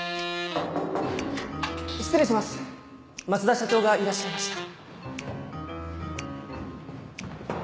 ・失礼します・増田社長がいらっしゃいました。